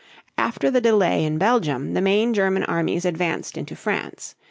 After the delay in Belgium, the main German armies advanced into France.